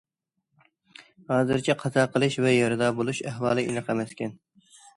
ھازىرچە قازا قىلىش ۋە يارىدار بولۇش ئەھۋالى ئېنىق ئەمەسكەن.